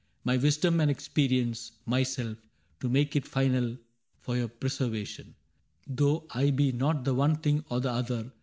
My wisdom and experience — myself. To make it final — for your preservation ; Though I be not the one thing or the other.